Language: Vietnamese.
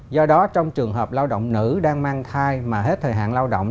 do đó trong trường hợp lao động nữ đang mang thai mà hết thời hạn lao động